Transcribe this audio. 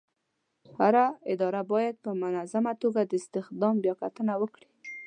هره اداره باید په منظمه توګه د استخدام بیاکتنه وکړي.